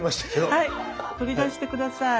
はい取り出して下さい。